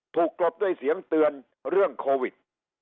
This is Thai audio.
กรบด้วยเสียงเตือนเรื่องโควิด